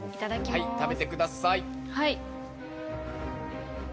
はい食べてください。